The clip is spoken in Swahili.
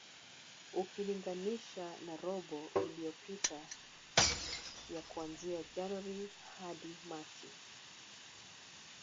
Ukilinganisha na robo iliyopita ya kuanzia Januari hadi Machi